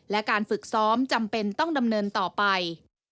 และการฝึกซ้อมจำเป็นต้องดำเนินต่อไป